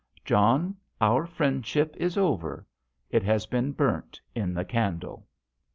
" John, our friendship is over it has been burnt in the candle.'